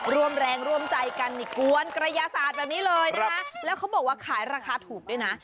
ร่วมแรงร่วมใจกันนี่กวนกระยาศาสตร์แบบนี้เลยนะคะแล้วเขาบอกว่าขายราคาถูกด้วยนะ